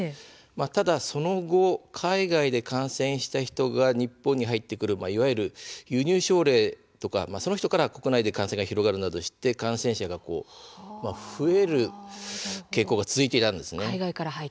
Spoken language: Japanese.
ただその後、海外で感染した人が日本に入ってくるいわゆる輸入症例とかその人から国内で感染が広がるなどして感染者が増える傾向が続いていたんです。